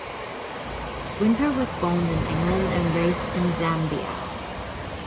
Winter was born in England and raised in Zambia.